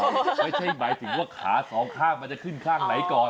ไม่ใช่หมายถึงว่าขาสองข้างมันจะขึ้นข้างไหนก่อน